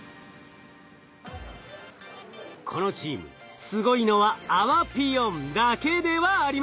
このチームすごいのはあわぴよんだけではありません。